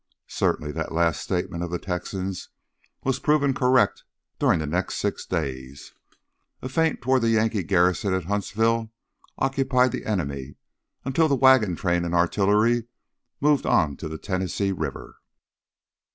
Certainly that last statement of the Texan's was proven correct during the next six days. A feint toward the Yankee garrison at Huntsville occupied the enemy until the wagon train and artillery moved on to the Tennessee River.